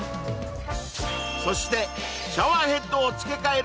そしてシャワーヘッドを付け替える